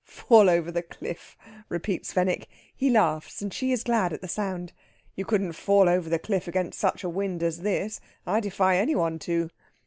"Fall over the cliff!" repeats Fenwick. He laughs, and she is glad at the sound. "You couldn't fall over the cliff against such a wind as this. I defy any one to."